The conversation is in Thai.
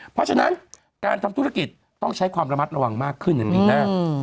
เพราะฉะนั้นการทำธุรกิจต้องใช้ความระมัดระวังมากขึ้นในปีหน้า